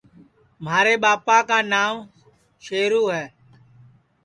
مھارے ٻاپا کا ناو شیرو ہے